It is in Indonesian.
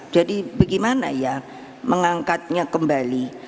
jadi bagaimana ya mengangkatnya kembali